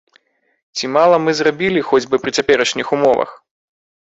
Ці мала мы зрабілі хоць бы пры цяперашніх умовах?